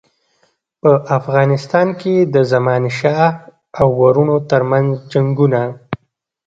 په افغانستان کې د زمانشاه او وروڼو ترمنځ جنګونه.